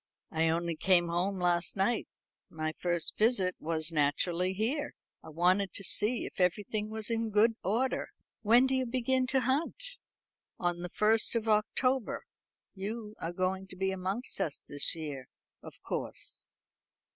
"I only came home last night. My first visit was naturally here. I wanted to see if everything was in good order." "When do you begin to hunt?" "On the first of October. You are going to be amongst us this year, of course."